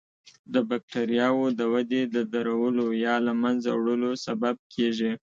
د بکټریاوو د ودې د درولو یا له منځه وړلو سبب کیږي.